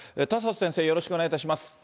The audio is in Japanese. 田里先生、よろしくお願いします。